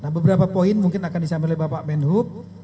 nah beberapa poin mungkin akan disampaikan oleh bapak menhub